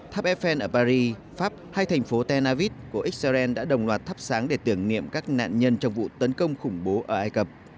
tháp eiffel ở paris pháp hai thành phố ternavit của israel đã đồng loạt thắp sáng để tưởng niệm các nạn nhân trong vụ tấn công khủng bố ở egypt